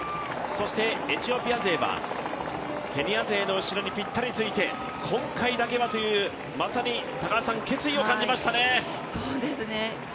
そしてエチオピア勢はケニア勢の後ろにぴったりついて今回だけはというまさに決意を感じましたね。